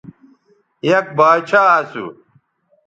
یک باچھا اسو